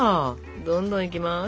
どんどんいきます。